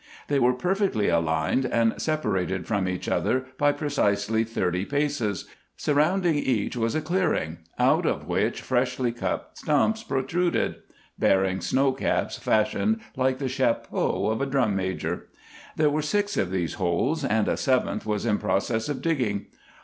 They were perfectly aligned and separated from each other by precisely thirty paces; surrounding each was a clearing out of which freshly cut stumps protruded bearing snow caps fashioned like the chapeau of a drum major. There were six of these holes, and a seventh was in process of digging.